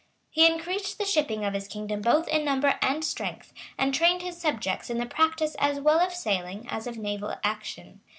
He increased the shipping of his kingdom both in number and strength, and trained his subjects in the practice as well of sailing as of naval action.